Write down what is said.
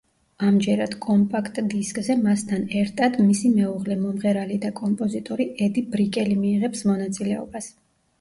ამჯერად კომპაქტ დისკზე მასთან ერტად მისი მეუღლე მომღერალი და კომპოზიტორი ედი ბრიკელი მიიღებს მონაწილეობას.